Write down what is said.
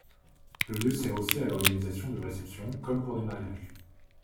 Le lieu sert aussi à l'organisation de réceptions, comme pour des mariages.